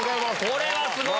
これはすごい！